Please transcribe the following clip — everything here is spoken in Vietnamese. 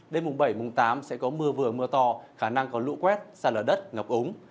đêm mùng bảy mùng tám sẽ có mưa vừa mưa to khả năng có lũ quét xa lở đất ngập ống